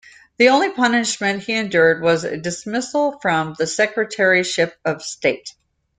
The only punishment he endured was a dismissal from the Secretaryship of State.